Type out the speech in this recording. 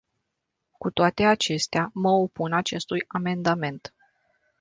Cu toate acestea, mă opun acestui amendament.